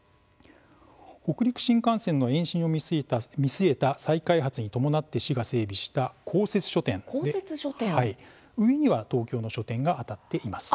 北陸新幹線の延伸を見据えた再開発に伴って市が整備した公設書店で運営には東京の書店があたっています。